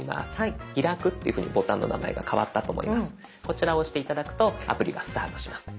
こちらを押して頂くとアプリがスタートします。